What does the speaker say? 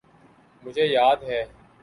مجھے یاد ہے۔